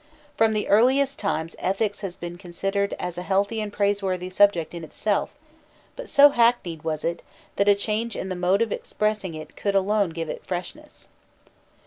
From the very earliest times ethics has been considered as a healthy and praiseworthy subject in itself, but so hackneyed was it, that a change in the mode of expressing it could alone give it freshness.